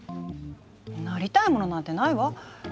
なりたいものなんてないわ。